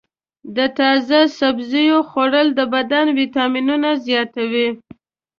د تازه سبزیو خوړل د بدن ویټامینونه زیاتوي.